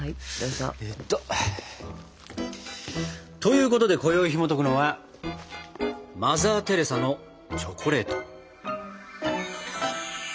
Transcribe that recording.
どうぞ。ということでこよいひもとくのは「マザー・テレサのチョコレート」。